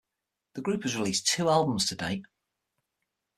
The group has released two albums to date.